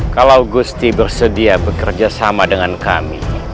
kalau gusti bersedia bekerja sama dengan kami